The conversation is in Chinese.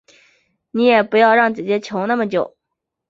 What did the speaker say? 你也不要让姐姐求那么久